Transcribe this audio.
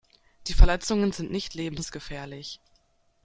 Die Verletzungen sind nicht lebensgefährlich.